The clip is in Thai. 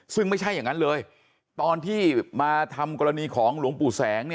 ซึ่งไม่ใช่อย่างนั้นเลยตอนที่มาทำกรณีของหลวงปู่แสง